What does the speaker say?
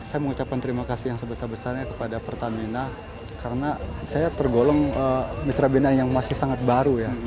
saya mengucapkan terima kasih yang sebesar besarnya kepada pertamina karena saya tergolong mitra bina yang masih sangat baru ya